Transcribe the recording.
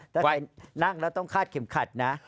ถ้าใครนั่งแล้วต้องคาดเข็มขัดนะ